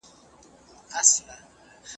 کلي ژوند: حجره مجلس او ګودر ادب.